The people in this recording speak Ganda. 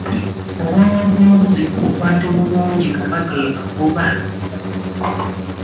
Obwana bw'embuzi tubukwate bulungi kuba ge magoba.